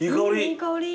いい香り。